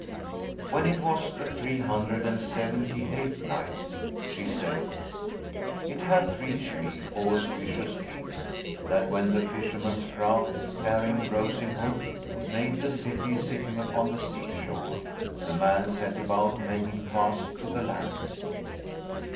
When it was the Three Hundred and Seventy eighth Night, She said, It hath reached me, O auspicious King, that when the fisherman's craft, carrying Rose in Hood, made the city sitting upon the sea shore, the man set about making fast to the land.